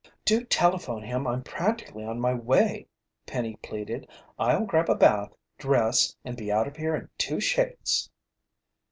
"Do telephone him I'm practically on my way," Penny pleaded. "I'll grab a bath, dress, and be out of here in two shakes."